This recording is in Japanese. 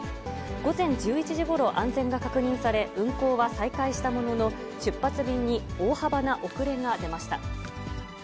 午前１１時ごろ、安全が確認され、運航は再開したものの、出発便に大幅な遅れが出ました。